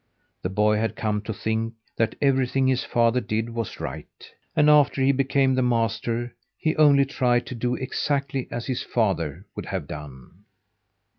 The boy had come to think that everything his father did was right, and, after he became the master, he only tried to do exactly as his father would have done.